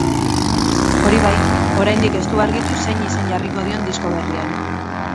Hori bai, oraindik ez du argitu zein izen jarriko dion disko berriari.